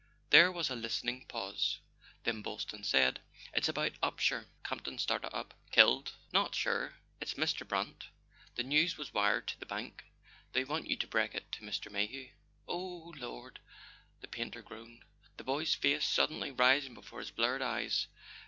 There was a listening pause: then Boylston said: "It's about Upsher " Camp ton started up. "Killed ?" "Not sure. It's Mr. Brant. The news was wired to the bank; they want you to break it to Mr. May hew." "Oh, Lord," the painter groaned, the boy's face suddenly rising before his blurred eyes.